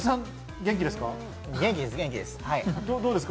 元気ですか？